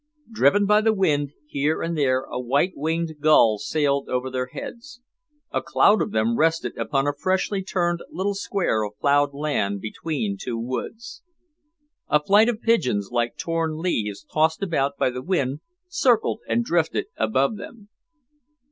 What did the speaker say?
Driven by the wind, here and there a white winged gull sailed over their heads, a cloud of them rested upon a freshly turned little square of ploughed land between two woods. A flight of pigeons, like torn leaves tossed about by the wind, circled and drifted above them.